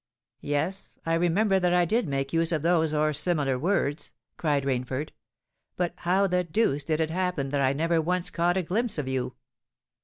"Yes—I remember that I did make use of those or similar words!" cried Rainford. "But how the deuce did it happen that I never once caught a glimpse of you?"